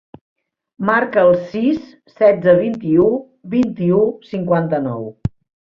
Marca el sis, setze, vint-i-u, vint-i-u, cinquanta-nou.